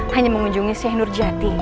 hanya mengunjungi syekh nurjati